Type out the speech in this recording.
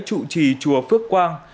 chủ trì chùa phước quang